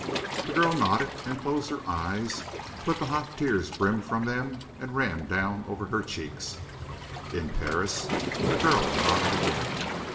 The girl nodded, and closed her eyes; but the hot tears brimmed from them and ran down over her cheeks. "In Paris?" The girl nodded again.